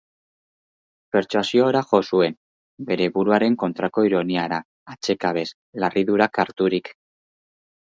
Pertsuasiora jo zuen, bere buruaren kontrako ironiara, atsekabez, larridurak harturik.